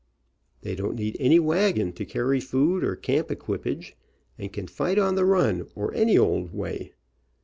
They don't need any wagon to carry food or camp equipage, and can fight on the run, or any old way.